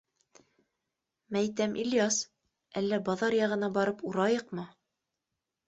Мәйтәм, Ильяс, әллә баҙар яғына барып урайыҡмы?